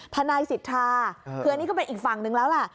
ทนายสิทธาคืออันนี้ก็เป็นอีกฝั่งนึงแล้วแหละ